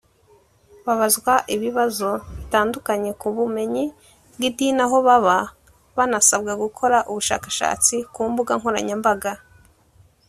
babazwa ibibazo bitandukanye ku bumenyi bw’idini aho baba banasabwa gukora ubushakashatsi ku mbuga nkoranyambaga